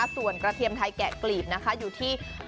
ส่วนกระเทียมไทยแกะกลีบอยู่ที่๑๕๐บาท